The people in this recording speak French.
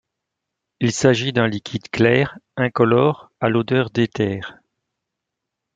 Il s'agit d'un liquide clair, incolore, à l'odeur d'éther.